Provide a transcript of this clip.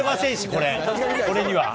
これには。